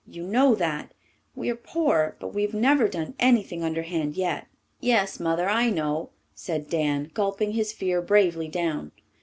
You know that. We're poor, but we have never done anything underhand yet." "Yes, Mother, I know," said Dan, gulping his fear bravely down.